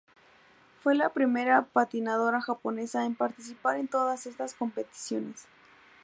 Fue la primera patinadora japonesa en participar en todas estas competiciones.